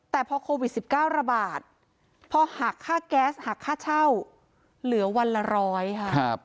แต่พอโควิด๑๙ระบาดพอหักค่าแก๊สหักค่าเช่าเหลือวันละร้อยค่ะ